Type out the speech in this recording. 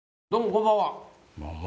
こんばんは。